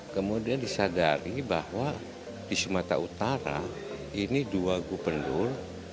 kemudian disadari bahwa di sumatera utara ini dua gubernur